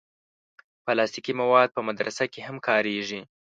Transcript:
پلاستيکي مواد په مدرسه کې هم کارېږي.